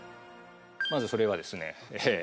まずそれはですね。